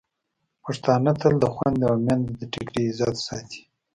پښتانه تل د خویندو او میندو د ټکري عزت ساتي.